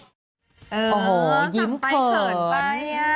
โอ้โหยิ้มเขิน